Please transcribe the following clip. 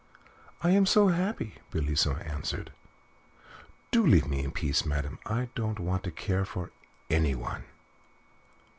"I am so happy," Bellissima answered: "do leave me in peace, madam. I don't want to care for anyone."